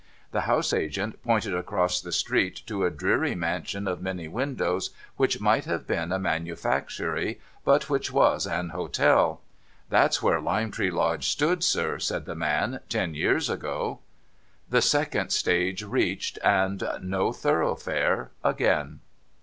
The house agent pointed across the street to a dreary mansion of many windows, which might have been a manufactory, but which was an hotel. ' That's where Lime Tree Lodge stood, sir,' said the man, ' ten years ago.' The second stage reached, and No Thoroughfare again